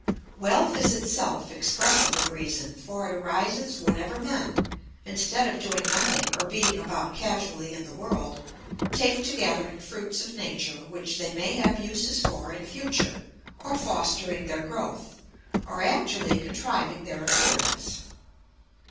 ] Wealth is itself expressive of reason for it arises whenever men, instead of doing nothing or beating about casually in the world, take to gathering fruits of nature which they may have uses for in future, or fostering their growth, or actually contriving their appearance.